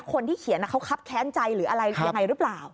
คนที่เขียนเขาคับแค้นใจหรืออะไรยังไงหรือเปล่า